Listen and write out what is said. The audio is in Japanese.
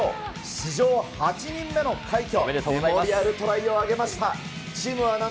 史上８人目の快挙。